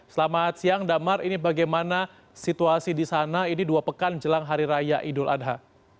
selamat siang damar ini bagaimana situasi di sana ini dua pekan jelang hari raya idul adha